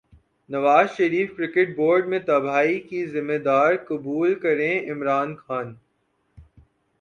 نواز Sharif cricket board میں تباہی کی ذمہ داری قبول کریں عمران خان